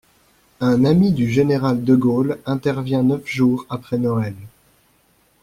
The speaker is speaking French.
Un ami du général De Gaulle intervient neuf jours après Noël.